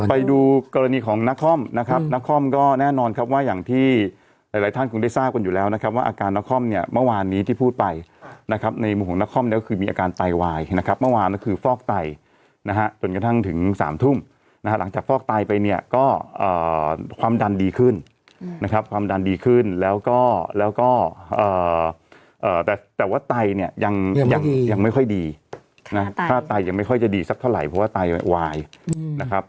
ไปดูกรณีของนักคล่อมนะครับนักคล่อมก็แน่นอนครับว่าอย่างที่หลายท่านคงได้ทราบกันอยู่แล้วนะครับว่าอาการนักคล่อมเนี่ยเมื่อวานนี้ที่พูดไปนะครับในมุมของนักคล่อมเนี่ยก็คือมีอาการไตวายนะครับเมื่อวานก็คือฟอกไตนะฮะจนกระทั่งถึงสามทุ่มนะฮะหลังจากฟอกไตไปเนี่ยก็ความดันดีขึ้นนะครับ